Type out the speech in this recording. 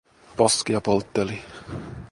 Poskia poltteli.